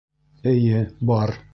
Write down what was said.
Эйе, бар...